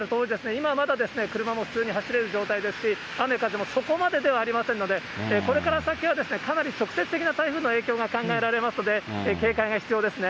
今はまだ、車も普通に走れる状態ですし、雨風もそこまでではありませんので、これから先は、かなり直接的な台風の影響が考えられますので、警戒が必要ですね。